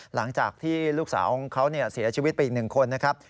หลังจากที่ลูกสาวของเขาเสียชีวิตไปอีก๑คนนะครับ